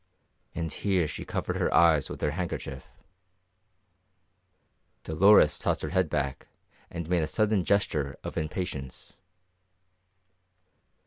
And here she covered her eyes with her handkerchief. Dolores tossed her head back and made a sudden gesture of impatience.